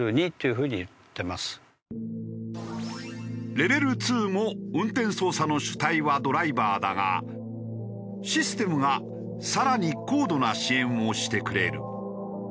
レベル２も運転操作の主体はドライバーだがシステムが更に高度な支援をしてくれる。